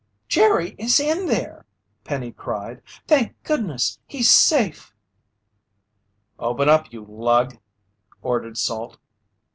"Jerry is in there!" Penny cried. "Thank goodness, he's safe!" "Open up, you lug!" ordered Salt.